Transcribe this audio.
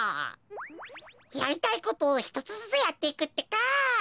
やりたいことをひとつずつやっていくってか！